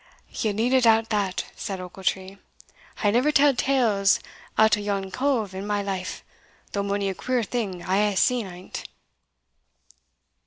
"Ye needna doubt that," said Ochiltree; "I never tell'd tales out o' yon cove in my life, though mony a queer thing I hae seen in't."